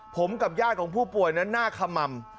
ผมกับญาติของผู้ป่วยน่าขม่ำ